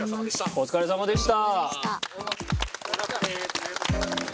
お疲れさまでした。